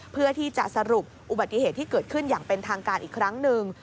เพื่อที่จะสรุปอุบัติเหตุที่เกิดขึ้นอย่างเป็นทางการอีกครั้งหนึ่ง